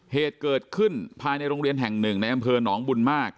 เหตุเกิดขึ้นภายในโรงเรียนแห่งหนึ่งในอำเภอหนองบุญมาก